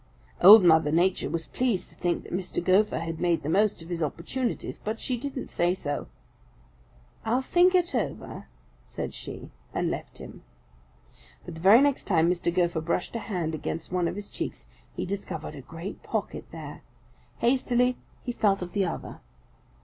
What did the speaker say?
"Old Mother Nature was pleased to think that Mr. Gopher had made the most of his opportunities, but she didn't say so. 'I'll think it over,' said she and left him. But the very next time Mr. Gopher brushed a hand against one of his cheeks, he discovered a great pocket there. Hastily he felt of the other.